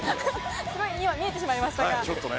すごい今、見えてしまいましちょっとね。